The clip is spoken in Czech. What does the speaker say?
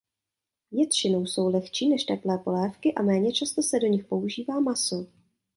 Většinou jsou lehčí než teplé polévky a méně často se do nich používá maso.